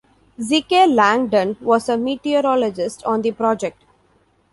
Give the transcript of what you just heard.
Zeke Langdon was a meteorologist on the project.